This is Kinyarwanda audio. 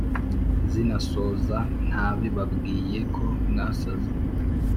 sinasoza ntabibabwiye ko mwasaze